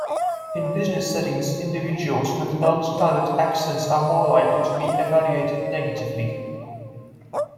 In business settings, individuals with non-standard accents are more likely to be evaluated negatively.